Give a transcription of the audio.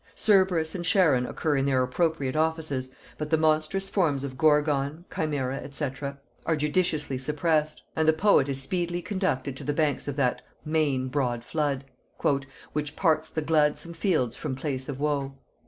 Cerberus and Charon occur in their appropriate offices, but the monstrous forms Gorgon, Chimæra, &c., are judiciously suppressed; and the poet is speedily conducted to the banks of that "main broad flood" "Which parts the gladsome fields from place of woe."